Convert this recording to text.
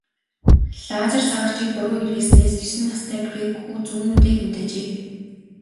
Лазер заагчийг буруу хэрэглэснээс есөн настай грек хүү зүүн нүдээ гэмтээжээ.